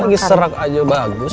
lagi serek aja bagus